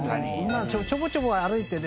ちょこちょこ歩いてね